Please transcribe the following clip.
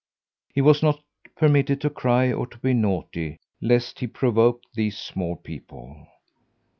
He was not permitted to cry or to be naughty, lest he provoke these small people.